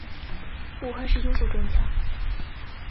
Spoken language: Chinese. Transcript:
武汉市优秀专家。